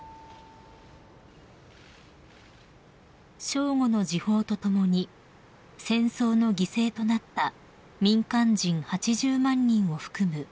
［正午の時報とともに戦争の犠牲となった民間人８０万人を含む